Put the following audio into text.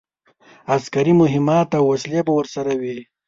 عسکري مهمات او وسلې به ورسره وي.